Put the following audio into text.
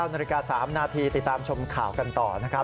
นาฬิกา๓นาทีติดตามชมข่าวกันต่อนะครับ